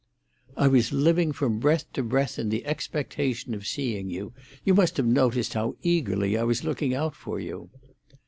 "I was living from breath to breath in the expectation of seeing you. You must have noticed how eagerly I was looking out for you."